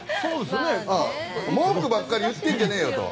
文句ばかり言ってるんじゃないよと。